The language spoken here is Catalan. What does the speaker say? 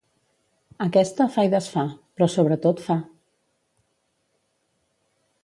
Aquesta fa i desfà, però sobretot fa.